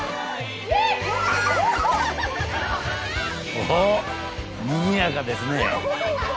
おっにぎやかですね。